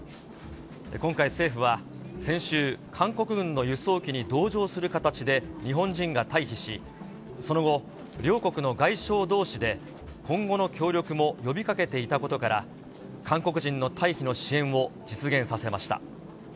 今回、政府は先週、韓国軍の輸送機に同乗する形で日本人が退避し、その後、両国の外相どうしで今後の協力も呼びかけていたことから、韓国人の退避の支援を実現させました。